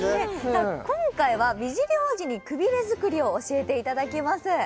今回は美尻王子にくびれ作りを教えていただきます